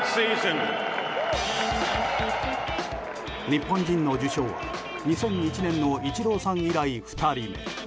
日本人の受賞は、２００１年のイチローさん以来２人目。